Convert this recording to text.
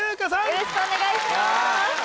よろしくお願いします